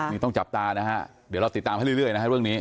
นี่ต้องจับตานะฮะเดี๋ยวเราติดตามให้เรื่อยนะฮะเรื่องนี้